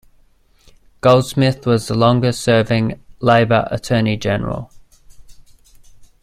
Goldsmith was the longest serving Labour Attorney General.